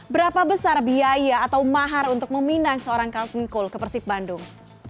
berapa besar biaya atau mahar untuk meminang seorang kartun cole ke persib bandung